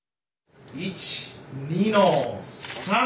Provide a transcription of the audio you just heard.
・１２の３！